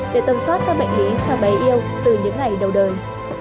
để tâm soát các bệnh lý cho bé yêu từ những ngày đầu đời